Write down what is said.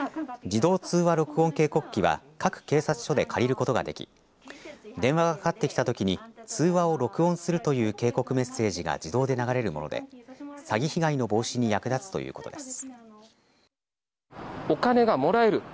自動通話録音警告機は各警察署で借りることができ電話がかかってきたときに通話を録音するという警告メッセージが自動で流れるもので詐欺被害の防止に役立つということです。